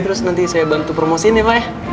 terus nanti saya bantu promosiin ya pak ya